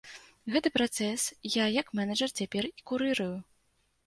Гэты працэс я як менеджэр цяпер і курырую.